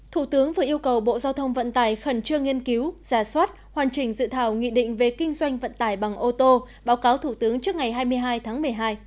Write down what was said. thủ tướng vừa yêu cầu bộ giao thông vận tải khẩn trương nghiên cứu giả soát hoàn chỉnh dự thảo nghị định về kinh doanh vận tải bằng ô tô báo cáo thủ tướng trước ngày hai mươi hai tháng một mươi hai